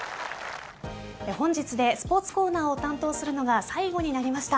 本日でスポーツコーナーを担当するのが最後になりました。